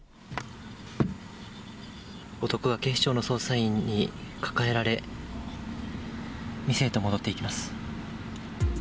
男が警視庁の捜査員に抱えられ、店へと戻っていきます。